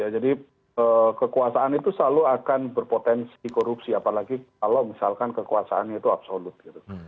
jadi kekuasaan itu selalu akan berpotensi korupsi apalagi kalau misalkan kekuasaannya itu absolut